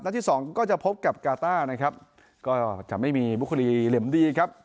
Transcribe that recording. ที่สองก็จะพบกับกาต้านะครับก็จะไม่มีบุครีเหล็มดีครับ